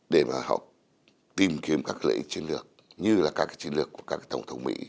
để mà họ tìm kiếm các lợi ích chiến lược như là các cái chiến lược của các tổng thống mỹ